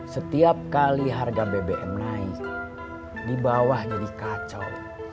setiap kali harga bbm naik dibawah jadi kacau